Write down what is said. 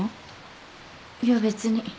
いや別に。